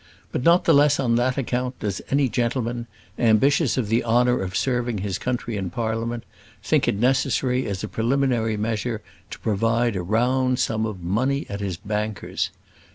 But not the less on that account does any gentleman, ambitious of the honour of serving his country in Parliament, think it necessary as a preliminary measure to provide a round sum of money at his banker's.